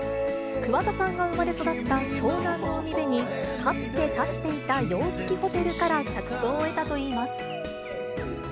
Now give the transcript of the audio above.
桑田さんが生まれ育った湘南の海辺に、かつて建っていた洋式ホテルから着想を得たといいます。